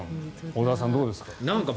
小川さん、どうですか？